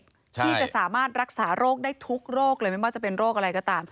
ที่จะสามารถรักษาโรคได้ทุกโรคเลยไม่ว่าจะเป็นโรคอะไรก็ตาม